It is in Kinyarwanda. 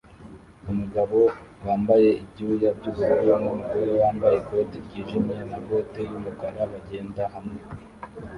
Umugabo wambaye ibyuya byubururu numugore wambaye ikoti ryijimye na bote yumukara bagenda hamwe